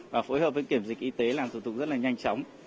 và phối hợp với kiểm dịch y tế làm thủ tục rất là nhanh chóng